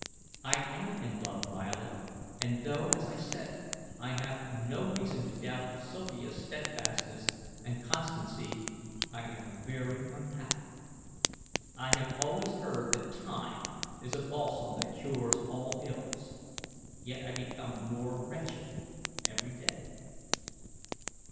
"I AM in love, Violet; and though, as I said, I have no reason to doubt Sylvia's steadfastness and constancy, I am very unhappy. I have always heard that time is a balsam that cures all ills, yet I become more wretched every day."